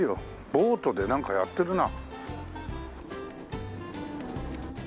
ボートでなんかやってるな。